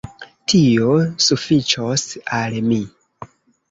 Tio sufiĉos al mi.